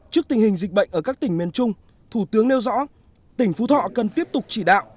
trước tình hình dịch bệnh ở các tỉnh miền trung thủ tướng nêu rõ tỉnh phú thọ cần tiếp tục chỉ đạo